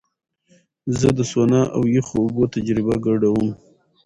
زه د سونا او یخو اوبو تجربه ګډوم.